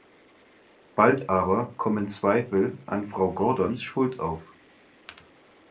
Bald aber kommen Zweifel an Frau Gordons Schuld auf.